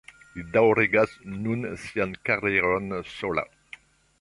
Li daŭrigas nun sian karieron sola.